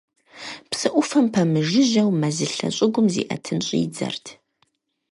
Псы ӏуфэм пэмыжыжьэу мэзылъэ щӏыгум зиӏэтын щӏидзэрт.